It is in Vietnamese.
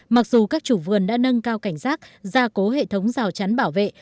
mặc dù các chủ vườn đã nâng cao cảnh giác gia cố hệ thống rào chắn bảo vệ